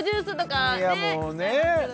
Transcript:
いやもうね。